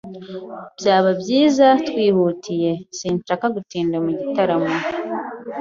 Byaba byiza twihutiye. Sinshaka gutinda mu gitaramo.